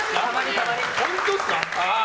本当ですか？